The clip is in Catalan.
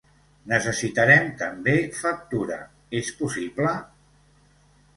Necessitarem també factura, és possible?